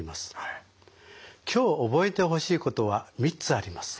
今日覚えてほしいことは３つあります。